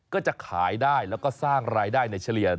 ก็จะขายได้แล้วก็สร้างรายได้ในเฉลี่ย